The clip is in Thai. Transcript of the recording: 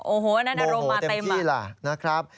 โอ้โหนั่นอารมณ์มาเต็มโมโหเต็มที่แหละนะครับ